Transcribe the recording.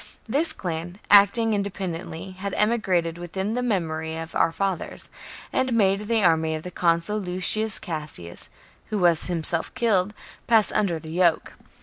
This clan, acting in dependently, had emigrated within the memory of our fathers, and made the army of the consul, Lucius Cassius, who was himself killed, pass under the yoke.